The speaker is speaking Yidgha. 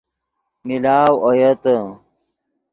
ملاؤ اویتے